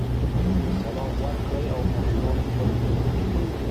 سلام ورکړئ او ماشومان ښکل کړئ.